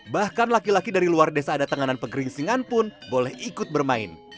bahkan laki laki dari luar desa ada tenganan pegering singan pun boleh ikut bermain